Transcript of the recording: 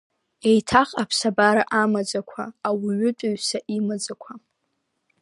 Еиҭах аԥсабара амаӡақәа ауаҩытәыҩса имаӡақәа.